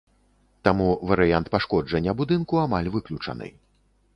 Таму варыянт пашкоджання будынку амаль выключаны.